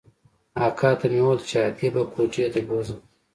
اکا ته مې وويل چې ادې به کوټې ته بوځم.